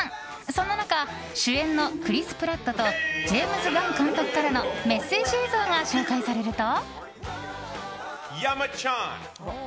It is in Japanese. そんな中主演のクリス・プラットとジェームズ・ガン監督からのメッセージ映像が紹介されると。